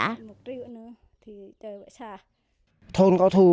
năm triệu thôn thu năm trăm linh